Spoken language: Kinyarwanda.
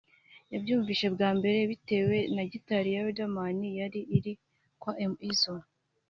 yabyumvise bwa mbere bitewe na Gitari ya Riderman yari iri kwa M Izzo